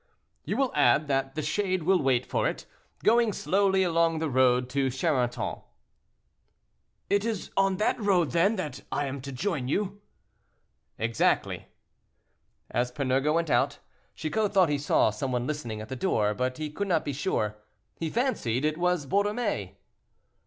"You will add that the shade will wait for it, going slowly along the road to Charenton." "It is on that road, then, that I am to join you?" "Exactly." As Panurge went out, Chicot thought he saw some one listening at the door, but could not be sure. He fancied it was Borromée.